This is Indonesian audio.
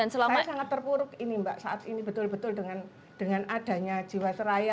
saya sangat terpuruk ini mbak saat ini betul betul dengan adanya jiwasraya